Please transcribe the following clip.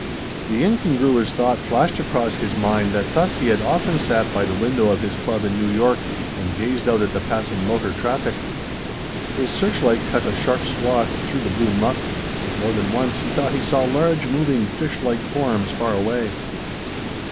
The incongruous thought flashed across his mind that thus he had often sat by the window of his club in New York, and gazed out at the passing motor traffic. His searchlight cut a sharp swath through the blue muck. More than once he thought he saw large moving fish like forms far away.